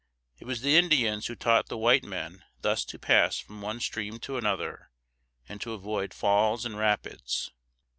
It was the Indians who taught the white men thus to pass from one stream to another, and to avoid falls and rapids.